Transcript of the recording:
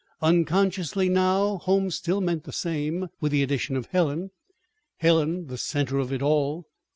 Unconsciously now home still meant the same, with the addition of Helen Helen, the center of it all.